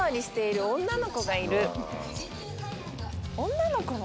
女の子も。